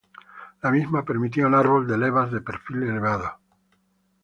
La misma permitía un árbol de levas de perfil elevado.